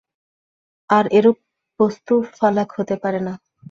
আর এরূপ বস্তু ফালাক হতে পারে না।